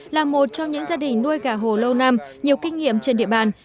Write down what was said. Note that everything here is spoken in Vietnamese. là một trong những gia đình nuôi gà hồ lâu năm nhiều kinh nghiệm trên địa bàn